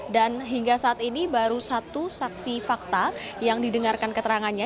dan hingga saat ini baru satu saksi fakta yang didengarkan keterangannya